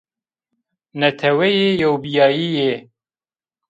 Neteweyê Yewbîyayeyî